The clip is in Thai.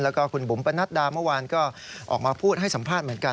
แล้วก็คุณบุ๋มปนัดดาเมื่อวานก็ออกมาพูดให้สัมภาษณ์เหมือนกัน